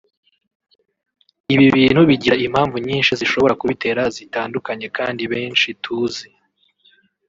Ibi bintu bigira impamvu nyinshi zishobora kubitera zitandukanye kandi benshi tuzi